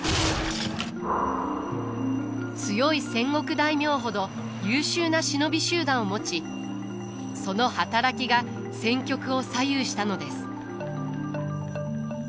強い戦国大名ほど優秀な忍び集団を持ちその働きが戦局を左右したのです。